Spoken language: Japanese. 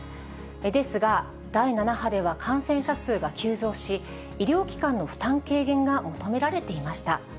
ですが、第７波では、感染者数が急増し、医療機関の負担軽減が求められていました。